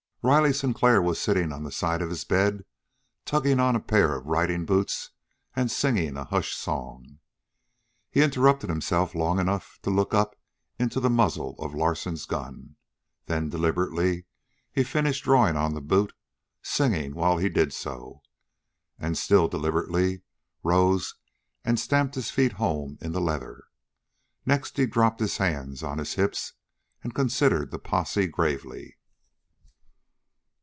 Riley Sinclair was sitting on the side of his bed, tugging on a pair of riding boots and singing a hushed song. He interrupted himself long enough to look up into the muzzle of Larsen's gun. Then deliberately he finished drawing on the boot, singing while he did so; and, still deliberately, rose and stamped his feet home in the leather. Next he dropped his hands on his hips and considered the posse gravely.